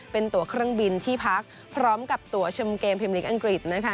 เป็นตัวเครื่องบินที่พักพร้อมกับตัวชมเกมพิมลิกอังกฤษนะคะ